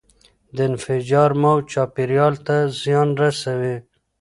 د انفجار موج چاپیریال ته زیان رسوي.